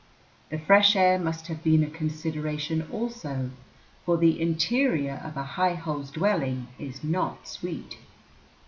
The fresh air must have been a consideration also, for the interior of a high hole's dwelling is not sweet.